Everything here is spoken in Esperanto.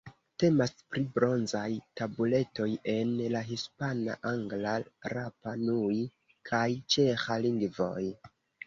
Temas pri bronzaj tabuletoj en la hispana, angla, rapa-nui kaj ĉeĥa lingvoj.